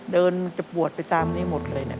เดินมันจะปวดไปตามนี้หมดเลยนะ